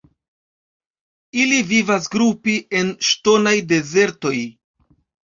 Ili vivas grupe en ŝtonaj dezertoj.